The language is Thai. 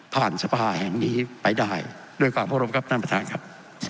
ผ่านสภาษณ์แห่งนี้ไปได้ด้วยการพร้อมครับท่านประธานครับ